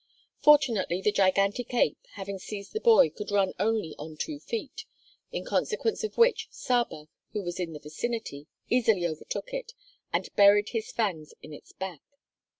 Fortunately the gigantic ape, having seized the boy, could run only on two feet, in consequence of which Saba, who was in the vicinity, easily overtook it and buried his fangs in its back.